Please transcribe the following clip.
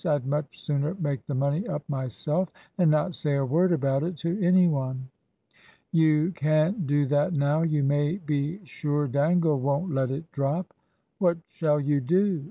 I'd much sooner make the money up myself, and not say a word about it to any one." "You can't do that now. You may be sure Dangle won't let it drop." "What shall you do?"